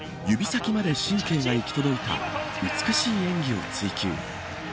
指先まで神経が行き届いた美しい演技を追求。